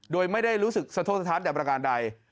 โดยไม่ได้รู้สึกสะทกสถานแต่ประการใด